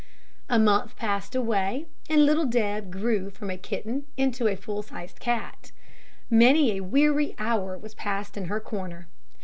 A month passed away, and little Deb grew from a kitten into a full sized cat. Many a weary hour was passed in her corner.